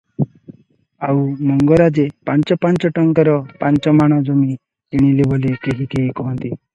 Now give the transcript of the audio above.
ଆଉ ମଙ୍ଗରାଜେ ପାଞ୍ଚ ପାଞ୍ଚ ଟଙ୍କାରେ ପାଞ୍ଚମାଣ ଜମି କିଣିଲେ ବୋଲି କେହିକେହି କହନ୍ତି ।